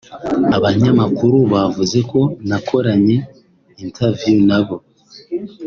Abanyamakuru bavuze ko nakoranye interview nabo